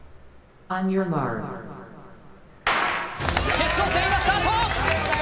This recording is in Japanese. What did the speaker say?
決勝戦、今スタート！